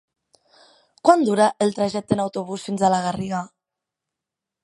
Quant dura el trajecte en autobús fins a la Garriga?